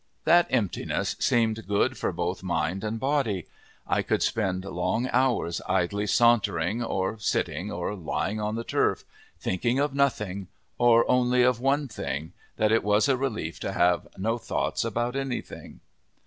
That emptiness seemed good for both mind and body: I could spend long hours idly sauntering or sitting or lying on the turf, thinking of nothing, or only of one thing that it was a relief to have no thought about anything.